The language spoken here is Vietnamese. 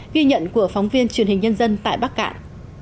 ghi nhận của phóng viên truyền hình nhân dân tại bắc cạn